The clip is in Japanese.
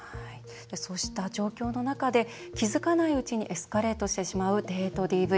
そうした状況の中で気付かないうちにエスカレートしてしまうデートＤＶ。